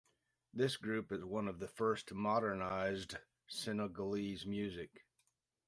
This group is one of the first to modernized Senegalese music.